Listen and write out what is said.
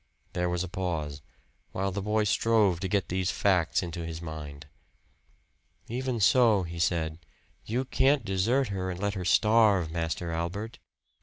There was a pause, while the boy strove to get these facts into his mind. "Even so," he said, "you can't desert her and let her starve, Master Albert."